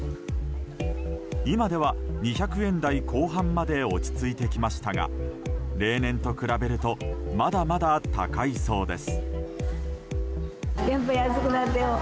今では２００円台後半まで落ち着いてきましたが例年と比べるとまだまだ高いそうです。